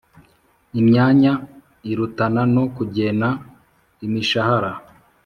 imyanya irutana no kugena imishahara